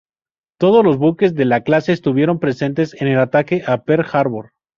Todos los buques de la clase, estuvieron presentes en el ataque a Pearl Harbor.